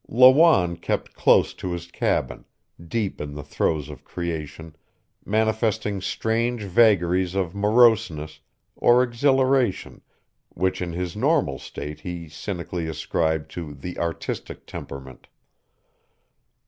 Lawanne kept close to his cabin, deep in the throes of creation, manifesting strange vagaries of moroseness or exhilaration which in his normal state he cynically ascribed to the artistic temperament.